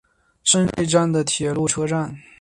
胜瑞站的铁路车站。